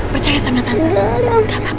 percaya sama tante